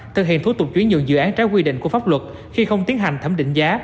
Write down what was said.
thực hiện thủ tục chuyển nhượng dự án trái quy định của pháp luật khi không tiến hành thẩm định giá